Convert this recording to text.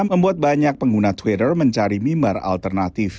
membuat banyak pengguna twitter mencari mimbar alternatif